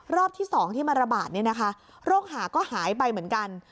รอบที่๒ที่มันระบาดเนี่ยนะคะโรคหาก็หายไปเหมือนกัน